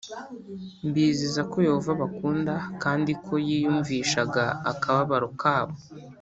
mbizeza ko Yehova abakunda kandi ko yiyumvishaga akababaro kabo